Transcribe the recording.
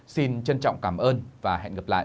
xin trân trọng cảm ơn và hẹn gặp lại